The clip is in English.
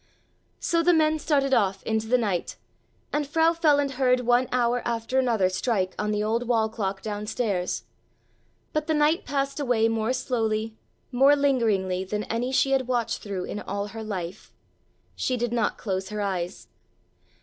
So the men started off into the night, and Frau Feland heard one hour after another strike on the old wall clock downstairs, but the night passed away more slowly, more lingeringly than any she had watched through in all her life. She did not close her eyes.